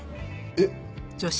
えっ。